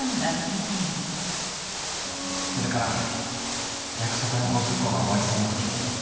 それから約束の５０個が終わりそうな時に。